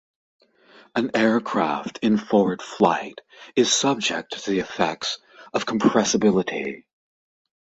An aircraft in forward flight is subject to the effects of compressibility.